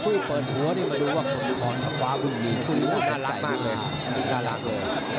คุ้ยเปิดหัวดูว่าคุณภรรย์ชาวคุณหลีนี่ทุนภรรย์เศร้าหลากเลย